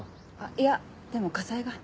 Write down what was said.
いやでも火災が。